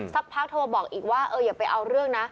สักพักโทรบอกอีกว่าอย่าไปเอาเรื่องนะ